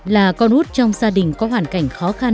là con út trong gia đình có hoàn cảnh khó khăn